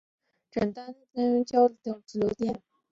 整流单元将交流电转化为直流电。